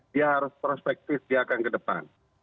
dia harus prospektif dia akan ke depan